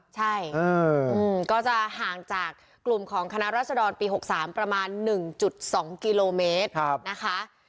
ใช่ก็จะห่างจากกลุ่มของคณะรัศดรปี๖๓ประมาณ๑๒กิโลเมตรนะคะ